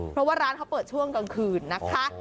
เพราะว่าร้านเขาเปิดช่วงกลางคืนนะคะ